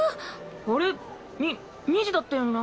あれ？に２時だったよな。